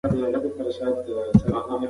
ما خپله د زړه درزا اندازه کړه.